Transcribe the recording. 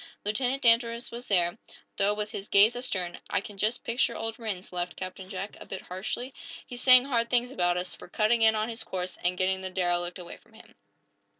Lieutenant Danvers was there, though with his gaze astern. "I can just picture old Rhinds," laughed Captain Jack, a bit harshly. "He's saying hard things about us, for cutting in on his course and getting the derelict away from him."